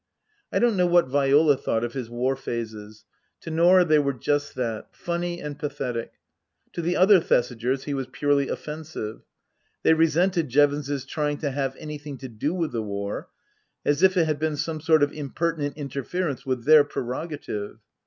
I don't know what Viola thought of his war phases ; to Norah they were just that funny and pathetic. To the other Thesigers he was purely offensive. They resented Jevons's trying to have anything to do with the war, as if it had been some sort of impertinent inter ference with their prerogative.